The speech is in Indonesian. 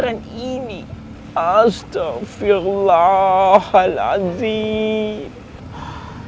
dan ini astaghfirullahaladzim